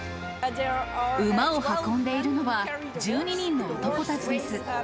馬を運んでいるのは、１２人の男たちです。